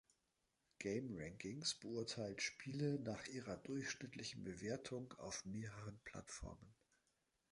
GameRankings beurteilt Spiele nach ihrer durchschnittlichen Bewertung auf mehreren Plattformen.